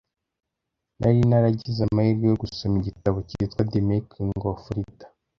nari naragize amahirwe yo gusoma igitabo kitwa “The making of a leader”